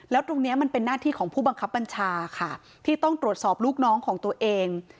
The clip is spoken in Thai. แล้วตรงนี้มันเป็นหน้าที่ของผู้บังคับบัญชาค่ะที่ต้องตรวจสอบลูกน้องของตัวเอง